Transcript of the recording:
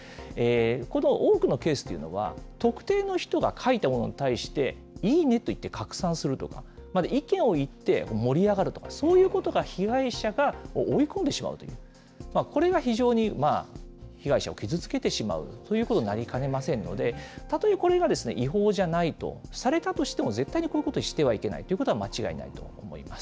この多くのケースというのは、特定の人が書いたものに対して、いいねといって拡散するとか、また意見を言って盛り上がるとか、そういうことが被害者を追い込んでしまうと、これが非常に被害者を傷つけてしまうということになりかねませんので、たとえこれが違法じゃないとされたとしても、絶対にこういうことをしてはいけないということは間違いないと思います。